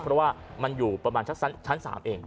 เพราะว่ามันอยู่ประมาณสักชั้น๓เอง